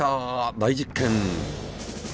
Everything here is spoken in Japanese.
大実験！